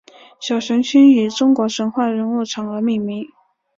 小行星以中国神话人物嫦娥命名。